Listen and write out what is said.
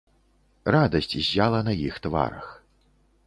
Радасць ззяла на іх тварах.